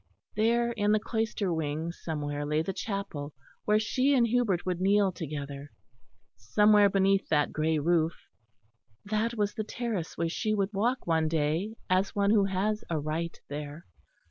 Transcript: There, in the cloister wing, somewhere, lay the chapel, where she and Hubert would kneel together; somewhere beneath that grey roof. That was the terrace where she would walk one day as one who has a right there.